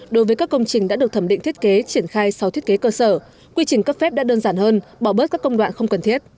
đối với các công trình đã được thẩm định thiết kế triển khai sau thiết kế cơ sở quy trình cấp phép đã đơn giản hơn bỏ bớt các công đoạn không cần thiết